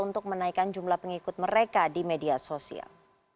untuk menaikkan jumlah pengikut mereka di media sosial